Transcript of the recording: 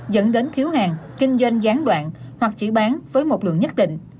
dẫn đến thiếu hàng kinh doanh gián đoạn hoặc chỉ bán với một lượng nhất định